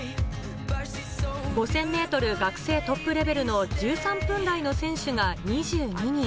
５０００ｍ学生トップレベルの１３分台の選手が２２人。